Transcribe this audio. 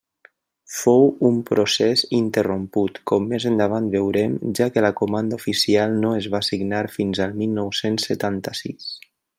Fou un procés interromput, com més endavant veurem, ja que la comanda oficial no es va signar fins al mil nou-cents setanta-sis.